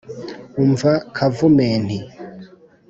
umva kavumenti,